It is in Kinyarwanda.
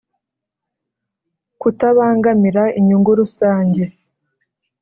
kutabangamira inyungu rusange